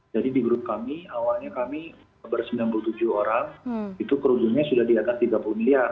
jadi di grup kami awalnya kami ber sembilan puluh tujuh orang itu kerugiannya sudah di atas tiga puluh miliar